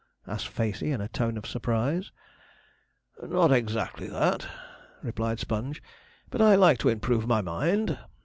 asked Facey, in a tone of surprise. 'Not exactly that,' replied Sponge; 'but I like to improve my mind.'